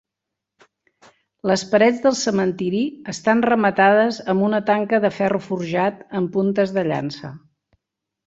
Les parets del cementiri estan rematades amb una tanca de ferro forjat amb puntes de llança.